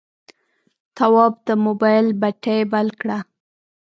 تواب د موبایل بتۍ بل کړه.